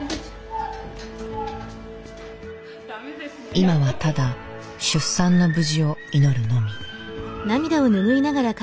今はただ出産の無事を祈るのみ。